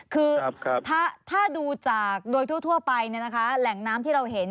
คือถ้าดูจากโดยทั่วไปแหล่งน้ำที่เราเห็น